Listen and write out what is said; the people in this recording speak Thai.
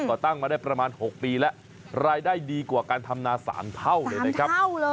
ก็ตั้งมาได้ประมาณ๖ปีแล้วรายได้ดีกว่าการทำนา๓เท่าเลยนะครับ